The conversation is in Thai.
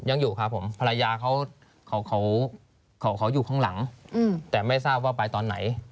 ยังอยู่ครับผมภรรยาเขาอยู่ข้างหลังแต่ไม่ทราบว่าไปตอนไหน